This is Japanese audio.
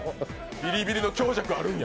ビリビリの強弱あるんや。